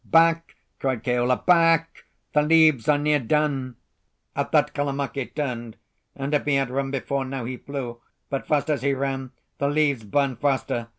"Back!" cried Keola. "Back! The leaves are near done." At that Kalamake turned, and if he had run before, now he flew. But fast as he ran, the leaves burned faster.